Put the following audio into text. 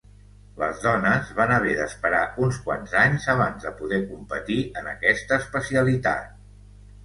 Les dones van haver d'esperar uns quants anys abans de poder competir en aquesta especialitat.